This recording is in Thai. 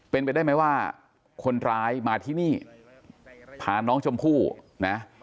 เป็นไปได้ไหมว่าคนร้ายมาที่นี่พาน้องชมพู่นะ